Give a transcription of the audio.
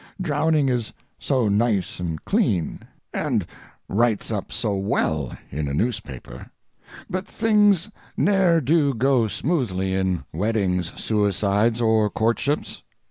Drowning is so nice and clean, and writes up so well in a newspaper. But things ne'er do go smoothly in weddings, suicides, or courtships.